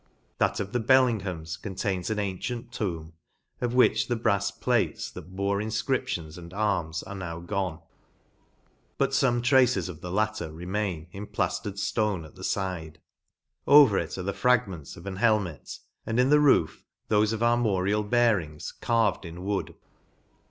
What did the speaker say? That of the Bellinghams contains an antient tomb, of which the brafs plates, that bore infcriptions and arms, are now gone, but fome traces of the latter remain in plaiftered ftone at the fide. Over it, are the fragments of an helmet, and, in the roof, thofe of armorial bearings, carved in wood.